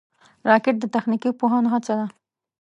راکټ د تخنیکي پوهانو هڅه ده